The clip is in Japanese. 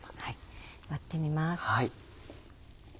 割ってみます。